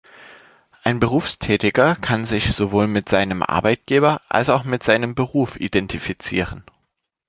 Ein Berufstätiger kann sich sowohl mit seinem Arbeitgeber als auch mit seinem Beruf identifizieren.